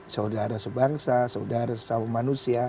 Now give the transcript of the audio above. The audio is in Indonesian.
saudara sebangsa saudara sesama manusia